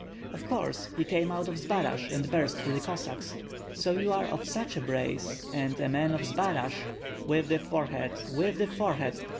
"Of course! He came out of Zbaraj, and burst through the Cossacks. So you are of such a brace, and a man of Zbaraj! With the forehead! with the forehead!